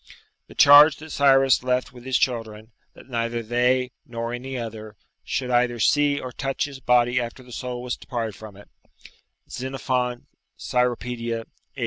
The charge that Cyrus left with his children, that neither they, nor any other, should either see or touch his body after the soul was departed from it, [Xenophon, Cyropedia, viii.